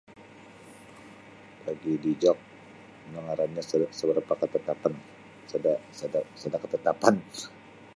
Bagi dijok ino ngaranyo sa- sa brapa katatapan sada sada sada katatapan .